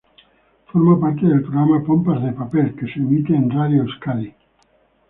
Forma parte del programa "Pompas de papel", que se emite en Radio Euskadi.